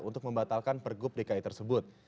untuk membatalkan pergub dki tersebut